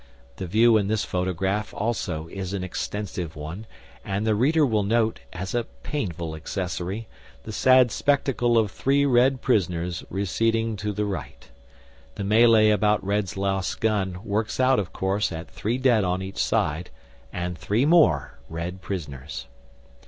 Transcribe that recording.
The view in this photograph also is an extensive one, and the reader will note, as a painful accessory, the sad spectacle of three Red prisoners receding to the right. The melee about Red's lost gun works out, of course, at three dead on each side, and three more Red prisoners.